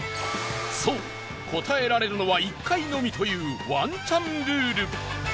そう、答えられるのは１回のみというワンチャンルール